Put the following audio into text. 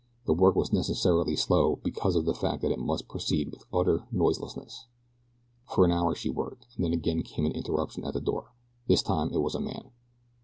The work was necessarily slow because of the fact that it must proceed with utter noiselessness. For an hour she worked, and then again came an interruption at the door. This time it was a man.